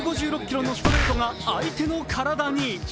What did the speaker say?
１５６キロのストレートが相手の体に。